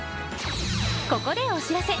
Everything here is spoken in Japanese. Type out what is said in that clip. ここでお知らせ。